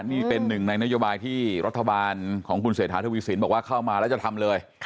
นี่เป็นหนึ่งในนโยบายที่รัฐบาลของคุณเศรษฐาทวีสินบอกว่าเข้ามาแล้วจะทำเลย